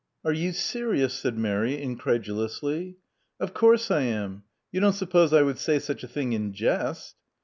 Are you serious?" said Mary, incredulously. Of course I am. You don't suppose I would say such a thing in jest?"